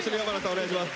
お願いします。